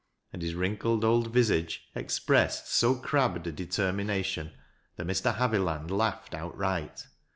And his wrinkled eld vis age expressed so crabbed a detei mination that Mr. Havi laud laughed outright.